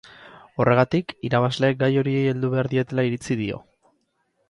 Horregatik, irabazleek gai horiei heldu behar dietela iritzi dio.